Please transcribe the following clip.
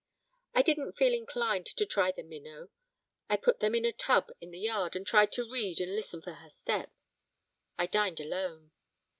I didn't feel inclined to try the minnow. I put them in a tub in the yard and tried to read and listen for her step. I dined alone.